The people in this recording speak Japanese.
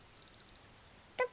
どこ？